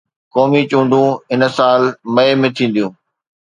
قومي چونڊون هن سال مئي ۾ ٿينديون